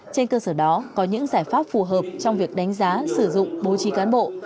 trên cơ sở đó có những giải pháp phù hợp trong việc đánh giá sử dụng bố trí cán bộ